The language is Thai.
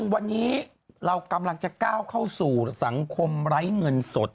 วันนี้เรากำลังจะก้าวเข้าสู่สังคมไร้เงินสด